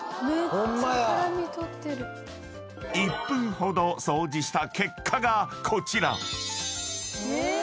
［１分ほど掃除した結果がこちら］